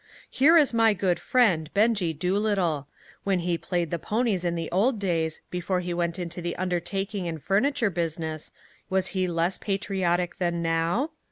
"Here is my good friend, Benjie Doolittle. When he played the ponies in the old days, before he went into the undertaking and furniture business, was he less patriotic than now?